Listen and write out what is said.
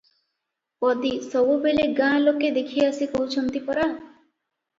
ପଦୀ - ସବୁବେଳେ ଗାଁ ଲୋକେ ଦେଖି ଆସି କହୁଛନ୍ତି ପରା?